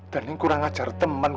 dan ini kurang ajar teman